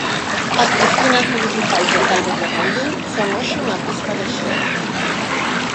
As piscinas municipais de Calvos de Randín son hoxe unha pista de xeo.